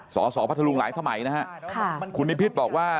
สายสมัยนะฮะคุณนิพิษบอกว่า